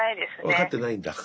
分かってないんだ。